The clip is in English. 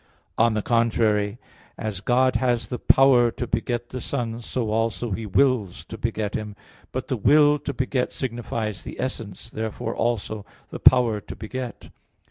On the contrary, As God has the power to beget the Son, so also He wills to beget Him. But the will to beget signifies the essence. Therefore, also, the power to beget.